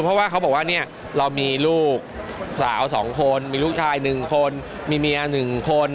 เพราะว่าเขาบอกว่าเนี่ยเรามีลูกสาว๒คนมีลูกชาย๑คนมีเมีย๑คน